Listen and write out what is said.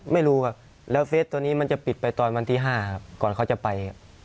ไม่รู้ครับแล้วเฟสตัวนี้มันจะปิดไปตอนวันที่๕ครับก่อนเขาจะไปครับ